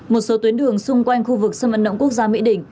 một số tuyến đường xung quanh khu vực sân vận động quốc gia mỹ đình